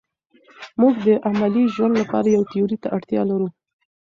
موږ د عملي ژوند لپاره تیوري ته اړتیا لرو.